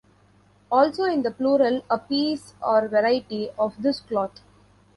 Also in the plural a piece or variety of this cloth.